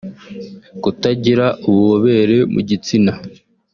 Kutagira ububobere mu gitsina